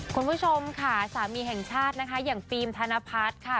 คุณผู้ชมค่ะสามีแห่งชาตินะคะอย่างฟิล์มธนพัฒน์ค่ะ